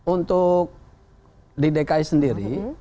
untuk di dki sendiri